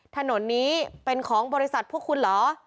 ถนนนี้เป็นของบริษัทพวกคุณเหรอ